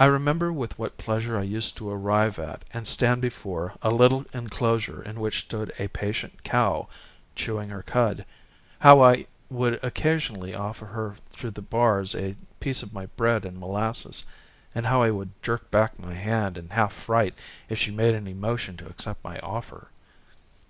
I remember with what pleasure I used to arrive at, and stand before, a little enclosure in which stood a patient cow chewing her cud, how I would occasionally offer her through the bars a piece of my bread and molasses, and how I would jerk back my hand in half fright if she made any motion to accept my offer.